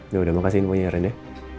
yaudah makasih informasi ren ya